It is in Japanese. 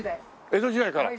江戸時代から。